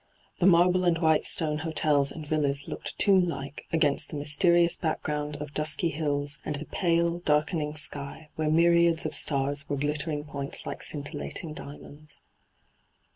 The marble and white stone hotels and villas looked tomb like against the mysterious background of dusky hills and the hyGoogIc ENTRAPPED 149 pale, darkening sky, where myriads of stars were glittering points like scintillating diamonds.